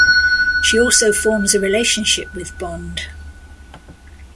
She also forms a relationship with Bond.